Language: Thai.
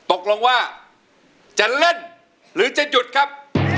ตกลงว่าจะเล่นหรือจะหยุดครับ